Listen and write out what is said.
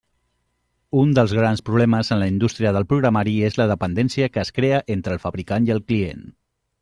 Un dels grans problemes en la indústria del programari és la dependència que es crea entre el fabricant i el client.